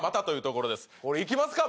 これいきますか？